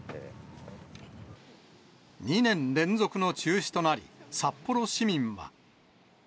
２年連続の中止となり、札幌市民は。